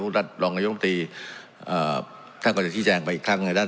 เทศเดียวพวกรัฐรองกันยกตรงประตรีอ่าท่านกว่าจะที่แจงไปอีกครั้งในด้าน